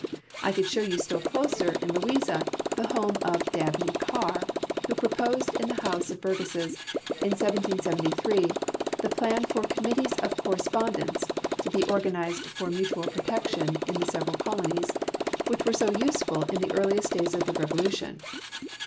I could show }mu still closer, in Louisa, the home of Dabney Carr, who proposed in the House of Burgesses, in 1773, the plan for com mittees of correspondence (to be organized for mutual ]>rotec tion in tbe several colonies), which were so useful in the earliest days of the Revolution.